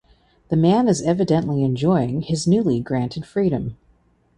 The man is evidently enjoying his newly granted freedom.